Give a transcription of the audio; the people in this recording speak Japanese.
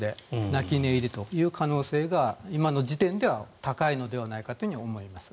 泣き寝入りという可能性が今の時点では高いのではないかと思います。